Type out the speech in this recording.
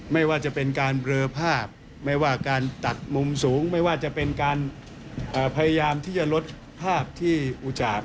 ไม่ว่าเป็นการเราเลอภาพมุมสูงหรือตัดการมอยที่จะลดภาพที่อุจาค